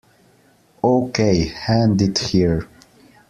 Okay, hand it here.